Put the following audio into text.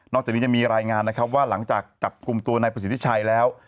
จากนี้ยังมีรายงานนะครับว่าหลังจากจับกลุ่มตัวนายประสิทธิชัยแล้ว